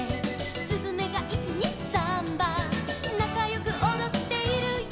「すずめが１・２・サンバ」「なかよくおどっているよ」